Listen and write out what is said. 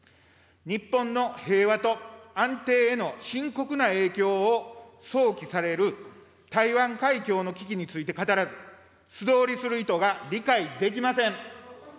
日本の平和と安定への深刻な影響を想起される台湾海峡の危機について語らず、素通りする意図が理解できません。